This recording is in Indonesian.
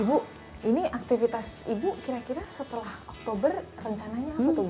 ibu ini aktivitas ibu kira kira setelah oktober rencananya apa tuh bu